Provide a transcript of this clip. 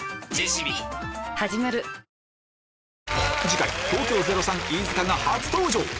次回東京０３・飯塚が初登場！